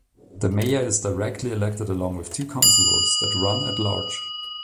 The mayor is directly elected along with two councillors that run at large.